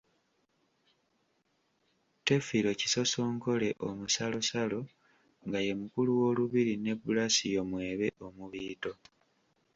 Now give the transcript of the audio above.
Tefiro Kisosonkole Omusalosalo nga ye mukulu w'Olubiri ne Blasio Mwebe Omubiito.